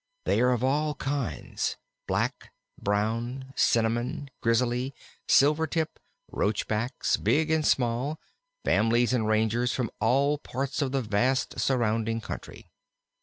They are of all kinds Black, Brown, Cinnamon, Grizzly, Silvertip, Roachbacks, big and small, families and rangers, from all parts of the vast surrounding country.